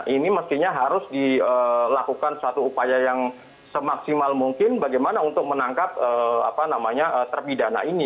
ini mestinya harus dilakukan suatu upaya yang semaksimal mungkin bagaimana untuk menangkap terpidana ini